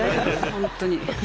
本当に。